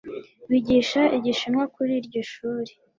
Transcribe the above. Bigisha Igishinwa kuri iryo shuri